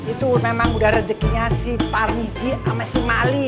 itu memang udah rejekinya si tarniji sama si mali